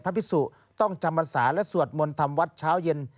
พระภิกษุต้องจำวันศาและสวดมนตร์ทำวัดเช้าเย็น